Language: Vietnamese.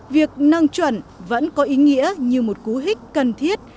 việc nâng chuẩn vẫn có ý nghĩa như một cú hích cần thiết